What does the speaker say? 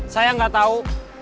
saya gak tau